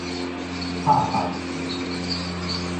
拍棒球